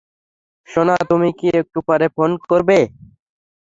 শোনো, তুমি কি একটু পরে ফোন করবে।